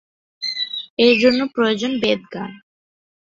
এর জন্য প্রয়োজন বেদ জ্ঞান।